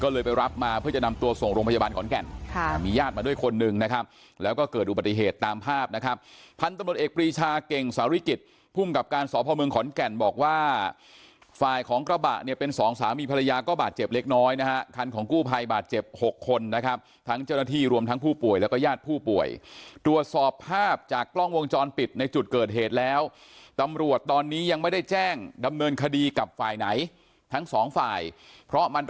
ได้รับมาเพื่อจะนำตัวส่งโรงพยาบาลขอนแก่นมีญาติมาด้วยคนหนึ่งนะครับแล้วก็เกิดอุบัติเหตุตามภาพนะครับพันธุ์ตำรวจเอกปรีชาเก่งสาริกิจภูมิกับการสอบภาวเมืองขอนแก่นบอกว่าฝ่ายของกระบะเนี่ยเป็นสองสามีภรรยาก็บาดเจ็บเล็กน้อยนะฮะคันของกู้ไภบาดเจ็บหกคนนะครับทั้งเจ้าหน้าท